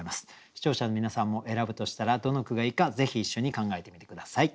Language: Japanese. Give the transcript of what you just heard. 視聴者の皆さんも選ぶとしたらどの句がいいかぜひ一緒に考えてみて下さい。